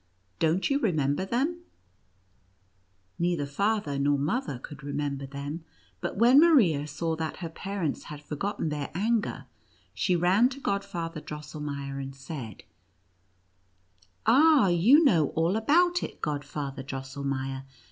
Don't you remember them ?" Neither father nor mother could remember them ; but when Maria saw that her parents had forgotten their anger, she ran to Godfather Drosselmeier, and said : "Ah, you know all about it, Godfather Drosselmeier.